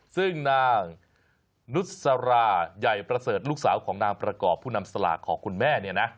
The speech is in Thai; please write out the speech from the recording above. ซึ่งนางนุษราใหญ่ประเสริฐลูกสาวของนางประกอบผู้นำสลากของคุณแม่เนี่ยนะ